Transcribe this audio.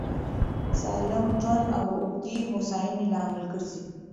سالم ژوند د اوږدې هوساینې لامل ګرځي.